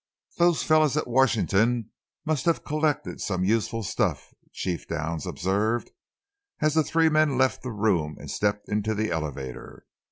"Those fellows at Washington must have collected some useful stuff," Chief Downs observed, as the three men left the room and stepped into the elevator.